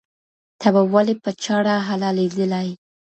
ته به ولي په چاړه حلالېدلای